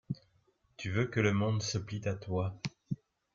Tu veux que le monde se plie à toi.